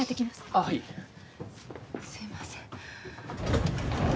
あっはいすいません